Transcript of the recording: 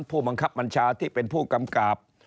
ผู้บังคับบัญชาที่เป็นผู้กำกับ